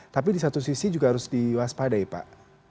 tapi di satu sisi juga harus diwaspadai pak